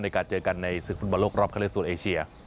ในการเจอกันในศึกฟุตบอลโลกรอบเข้าเลือกโซนเอเชีย